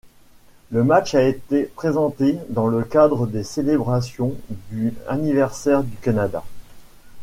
Le match a été présenté dans le cadre des célébrations du anniversaire du Canada.